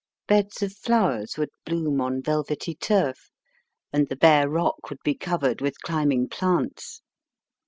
Beds of flowers would bloom on velvety turf, and the bare rock would be covered with climbing plants.